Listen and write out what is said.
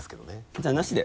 じゃあなしで。